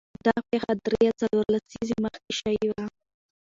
دا پېښه درې یا څلور لسیزې مخکې شوې وه.